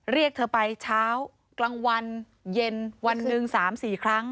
เรียกเธอไปเช้ากลางวันเย็นวันหนึ่ง๓๔ครั้ง